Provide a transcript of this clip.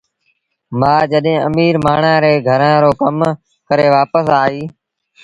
مآ جڏهيݩ اميٚر مآڻهآݩ ري گھرآݩ رو ڪم ڪري وآپس آئيٚ